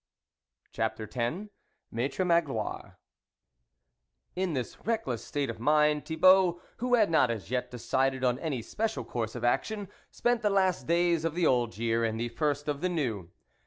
CHAPTER X MAITRE MAGLOIRE IN this reckless state of mind Thibault, who had not as yet decided on any special course of action, spent the last days of the old year and the first of the new.